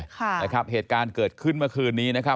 ค่ะนะครับเหตุการณ์เกิดขึ้นเมื่อคืนนี้นะครับ